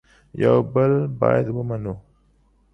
یو بل باید ومنو